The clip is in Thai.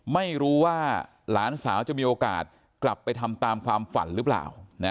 ไม่รู้ว่าหลานสาวจะมีโอกาสกลับไปทำตามความฝันหรือเปล่า